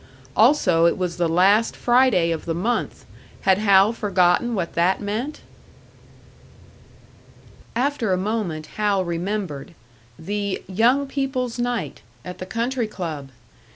Also it was the last Friday of the month; had Hal forgotten what that meant? After a moment Hal remembered the "Young People's Night" at the country club!